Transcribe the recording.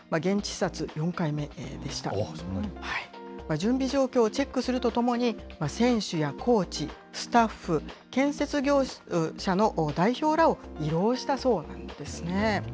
準備状況をチェックするとともに、選手やコーチ、スタッフ、建設業者の代表らを慰労したそうなんですね。